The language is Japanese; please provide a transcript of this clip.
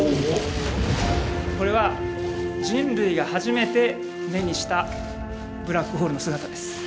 これは人類が初めて目にしたブラックホールの姿です。